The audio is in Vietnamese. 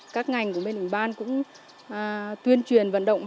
các ngành của bên ủy ban cũng tuyên truyền vận động y tế